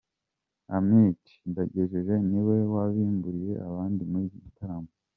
Amity Ndajeje ni we wabimburiye abandi muri iki gitaramo.